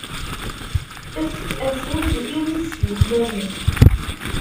Efk afud i wid i t-yuklalen.